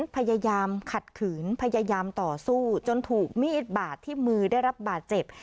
พยายามขัดขืนพยายามต่อสู้จนถูกมีดบาดที่มือได้รับบาดเจ็บ